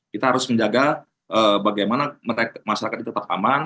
kita harus menjaga bagaimana masyarakat itu tetap aman